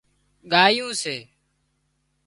ڳايون سي